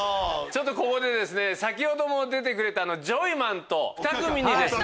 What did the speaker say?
ここで先ほども出てくれたジョイマンとふた組にですね。